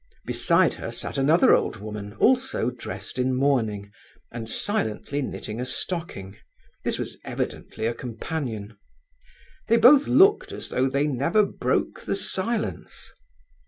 Beside her sat another old woman, also dressed in mourning, and silently knitting a stocking; this was evidently a companion. They both looked as though they never broke the silence.